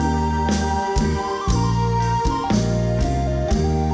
แต่เราเดี๋ยวไม่ได้รัก